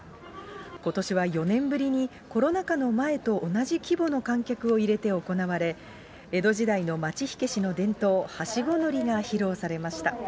ことしは４年ぶりにコロナ禍の前と同じ規模の観客を入れて行われ、江戸時代の町火消しの伝統、はしご乗りが披露されました。